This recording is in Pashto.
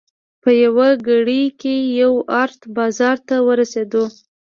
په یوه ګړۍ کې یو ارت بازار ته ورسېدو.